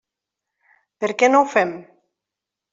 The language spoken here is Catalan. Per què no ho fem?